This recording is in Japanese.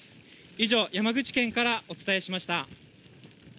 以上、山口県からお伝えしました。